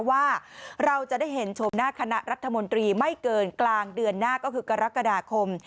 ว่าเราจะได้เห็นชมหน้าคณะรัฐมนตรีไม่เกินกลางเดือนหน้าก็คือกรกฎาคม